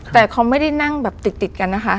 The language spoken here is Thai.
แต่เขาไม่ได้นั่งแบบติดกันนะคะ